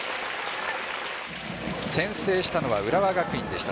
先制したのは浦和学院でした。